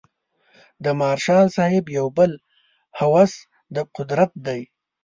د مارشال صاحب یو بل هوس د قدرت دی.